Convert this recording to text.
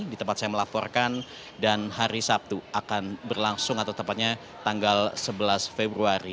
di tempat saya melaporkan dan hari sabtu akan berlangsung atau tepatnya tanggal sebelas februari